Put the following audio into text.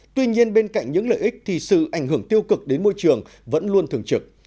tuy nhiên bên cạnh những lợi ích thì sự ảnh hưởng tiêu cực đến môi trường vẫn luôn thường trực